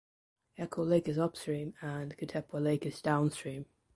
Echo Lake is upstream and Katepwa Lake is downstream.